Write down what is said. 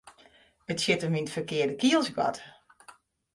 It sjit him yn it ferkearde kielsgat.